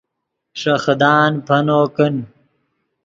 ݰے خدان پینو کن